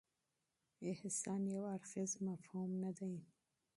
احسان یو اړخیز مفهوم نه دی.